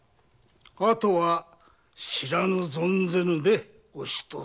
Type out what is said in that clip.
あとは知らぬ存ぜぬで押しとおす。